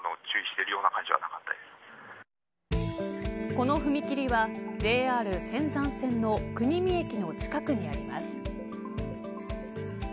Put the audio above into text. この踏切はＪＲ仙山線の国見駅の近くにあります。